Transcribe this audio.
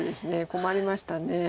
困りました。